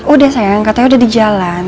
udah sayang katanya udah di jalan